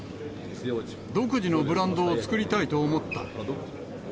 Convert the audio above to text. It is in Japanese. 独自のブランドを作りたいと思った。